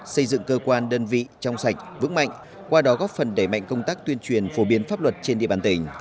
xây dựng cơ quan đơn vị trong sạch vững mạnh qua đó góp phần đẩy mạnh công tác tuyên truyền phổ biến pháp luật trên địa bàn tỉnh